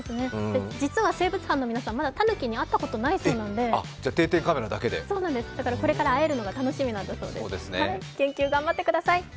実は生物班の皆さん、まだたぬきに会ったことないそうで、これから会えるのが楽しみだそうです、研究頑張ってください。